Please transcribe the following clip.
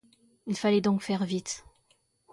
Il fallait donc faire vite.